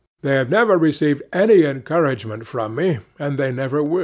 They have never received any encouragement from me and they never will."